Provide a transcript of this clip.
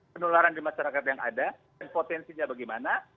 penularan di masyarakat yang ada dan potensinya bagaimana